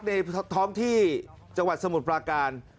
ในท้องที่จังหวัดสมุทรปราการ